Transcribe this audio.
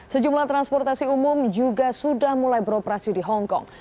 sejumlah transportasi umum juga sudah mulai beroperasi di hongkong